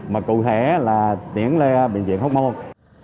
mà cụ thể là tiến lên bệnh viện hốc môn